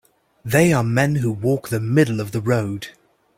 They are men who walk the middle of the road.